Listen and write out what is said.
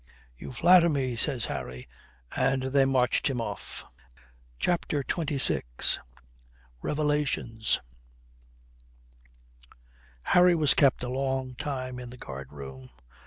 "You flatter me," says Harry, and they marched him off. CHAPTER XXVI REVELATIONS Harry was kept a long time in a guard room.